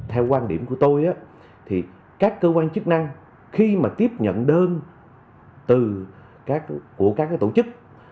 theo quan điểm của tôi thì các cơ quan chức năng khi mà tiếp nhận đơn từ các tổ chức